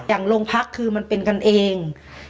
อย่างโรงพักษณ์คือมันเป็นกันเอง